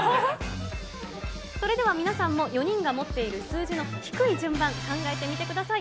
それでは皆さんも、４人が持っている数字の低い順番、考えてみてください。